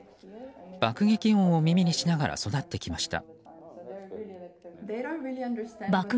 爆撃音を耳にしながら育ってきました。